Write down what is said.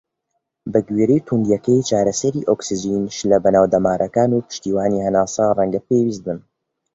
بەگوێرەی تووندیەکەی، چارەسەری ئۆکسجین، شلە بە ناو دەمارەکان، و پشتیوانی هەناسە ڕەنگە پێویست بن.